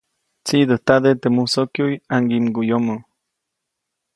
Tsiʼdäjtade teʼ musokyuʼy ʼaŋgiʼmguʼyomo.